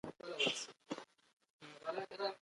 چې وړانګې یې هر ځای رسیږي.